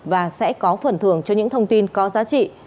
và sẽ có phần thưởng cho những thông tin có giá trị